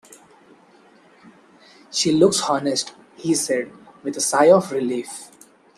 "She looks honest," he said, with a sigh of relief.